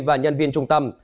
và nhân viên trung tâm